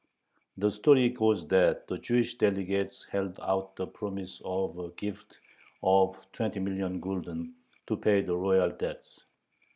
The story goes that the Jewish delegates held out the promise of a gift of twenty million gulden to pay the royal debts.